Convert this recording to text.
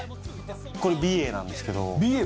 これ美瑛なんですけど美瑛